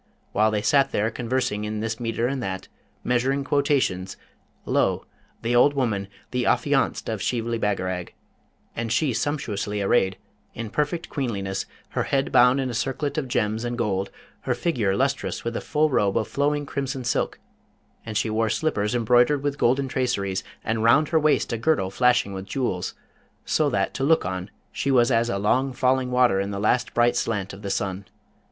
While they sat there conversing in this metre and that, measuring quotations, lo! the old woman, the affianced of Shibli Bagarag and she sumptuously arrayed, in perfect queenliness, her head bound in a circlet of gems and gold, her figure lustrous with a full robe of flowing crimson silk; and she wore slippers embroidered with golden traceries, and round her waist a girdle flashing with jewels, so that to look on she was as a long falling water in the last bright slant of the sun.